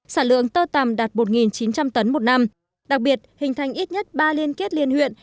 sản lượng tơ tầm đạt một chín trăm linh tấn một năm đặc biệt hình thành ít nhất ba liên kết liên huyện